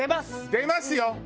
出ますよ